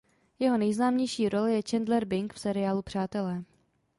Jeho nejznámější role je Chandler Bing v seriálu "Přátelé".